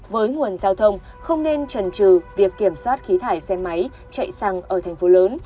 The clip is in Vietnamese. với nguồn giao thông không nên trần trừ việc kiểm soát khí thải xe máy chạy xăng ở thành phố lớn